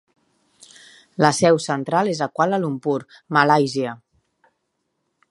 La seu central és a Kuala Lumpur, Malàisia.